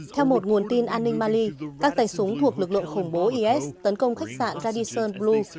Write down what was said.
theo một nguồn tin an ninh mali các tay súng thuộc lực lượng khủng bố is tấn công khách sạn radison blue